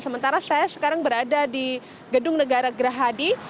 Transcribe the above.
sementara saya sekarang berada di gedung negara gerah hadi